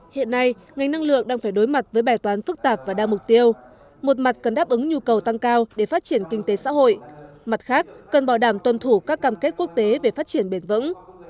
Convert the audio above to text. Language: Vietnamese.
hiện nay ngành năng lượng đang phải đối mặt với bài toán phức tạp và đa mục tiêu một mặt cần đáp ứng nhu cầu tăng cao để phát triển kinh tế xã hội mặt khác cần bảo đảm tuân thủ các cam kết quốc tế về phát triển bền vững